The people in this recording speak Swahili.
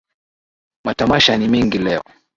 Matamasha ni mengi leo